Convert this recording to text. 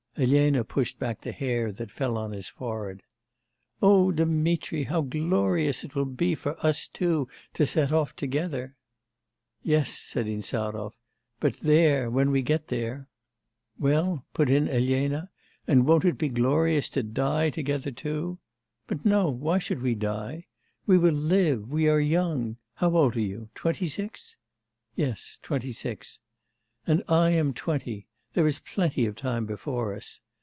Elena pushed back the hair that fell over on his forehead. 'O Dmitri! how glorious it will be for us two to set off together!' 'Yes,' said Insarov, 'but there, when we get there ' 'Well?' put in Elena, 'and won't it be glorious to die together too? but no, why should we die? We will live, we are young. How old are you? Twenty six?' 'Yes, twenty six.' 'And I am twenty. There is plenty of time before us.